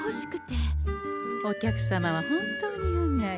お客様は本当に運がいい。